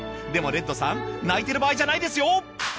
でもレッドさん泣いてる場合じゃないですよ。